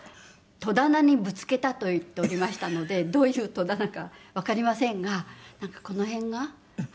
戸棚にぶつけたと言っておりましたのでどういう戸棚かわかりませんがなんかこの辺が腫れちゃって。